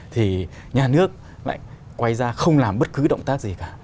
thì nhà nước lại quay ra không làm bất cứ động tác gì cả